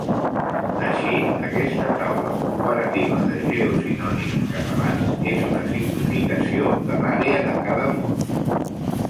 Així, aquesta taula comparativa de geosinònims catalans és una simplificació de l'àrea de cada mot.